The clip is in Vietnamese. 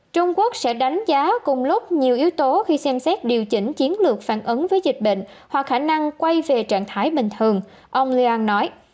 trung quốc sẽ đánh giá cùng lúc nhiều yếu tố khi xem xét điều chỉnh chiến lược phản ứng với dịch bệnh hoặc khả năng quay về trạng thái bình thường ông lian nói